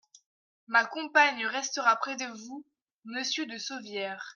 Ma compagne restera près de vous, monsieur de Sauvières.